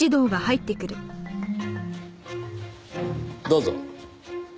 どうぞ。